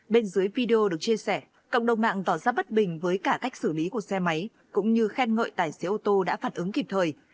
bên dưới video được chia sẻ cộng đồng mạng tỏ ra bất bình với cả cách xử lý của xe máy cũng như khen ngợi tài xế ô tô đã phản ứng kịp thời